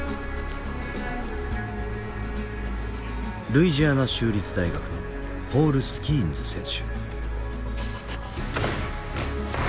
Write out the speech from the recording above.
ルイジアナ州立大学のポール・スキーンズ選手。